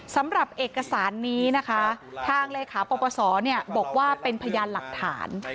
สำหรับเอกสารนี้นะคะทางเลขาปรปศบอกว่าเป็นพยานหลักฐาน